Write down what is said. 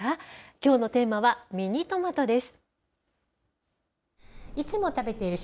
きょうのテーマはミニトマトです。